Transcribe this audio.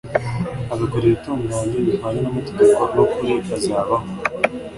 agakora ibitunganye bihwanye n’amategeko n’ukuri azabaho ,